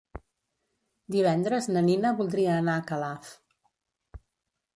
Divendres na Nina voldria anar a Calaf.